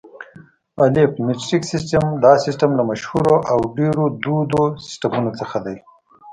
الف: مټریک سیسټم: دا سیسټم له مشهورو او ډېرو دودو سیسټمونو څخه دی.